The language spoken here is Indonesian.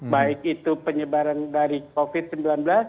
baik itu penyebaran dari covid sembilan belas